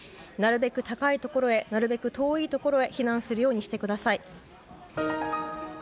なるべく高いところへなるべく遠い所へ避難するようにしてください。